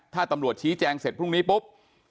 ถ้าตำรวจชี้แจงเสร็จพรุ่งนี้ปุ๊บ